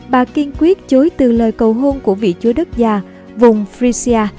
bà kiên quyết chối từ lời cầu hôn của vị chúa đất già vùng friesia